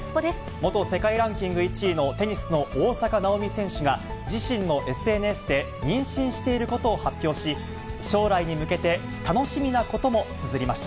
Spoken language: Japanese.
元世界ランキング１位のテニスの大坂なおみ選手が、自身のＳＮＳで、妊娠していることを発表し、将来に向けて楽しみなこともつづりました。